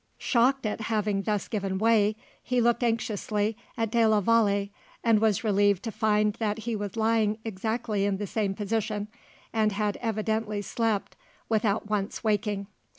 Shocked at having thus given way, he looked anxiously at de la Vallee, and was relieved to find that he was lying exactly in the same position, and had evidently slept without once waking.